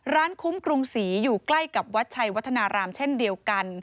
ร้านคุ้มกรุงศรีอยู่ใกล้กับวัดชัยวัฒนารามเช่นเดียวกัน